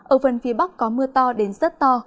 ở phần phía bắc có mưa to đến rất to